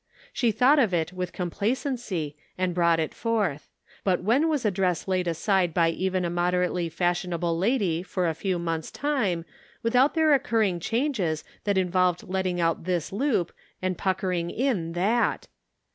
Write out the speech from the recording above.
She thought of it with complacency and brought it forth. But when was a dress laid aside by even a moderately fashionable lady for a few months' time without there occurring changes that involved letting out this loop and pucker ing in that?